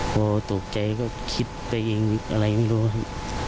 พอตกใจก็คิดตัวเองอะไรไม่รู้